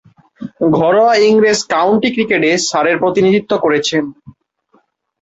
ঘরোয়া ইংরেজ কাউন্টি ক্রিকেটে সারের প্রতিনিধিত্ব করেছেন।